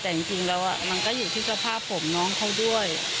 แต่จริงแล้วมันก็อยู่ที่สภาพผมน้องเขาด้วย